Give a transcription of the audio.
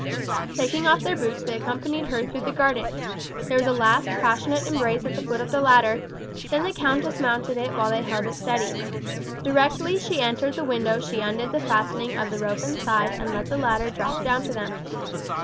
Taking off their boots they accompanied her through the garden. There was a last passionate embrace at the foot of the ladder, then the countess mounted it while they held it steady. Directly she entered the window she undid the fastening of the rope inside and let the ladder drop down to them.